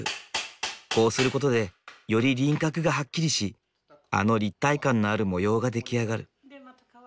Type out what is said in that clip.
こうすることでより輪郭がはっきりしあの立体感のある模様が出来上がる。